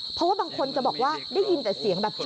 เพราะว่าบางคนจะบอกว่าได้ยินแต่เสียงแบบ